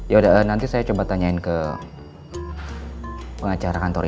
yaudah nanti saya coba tanyain ke pengacara kantornya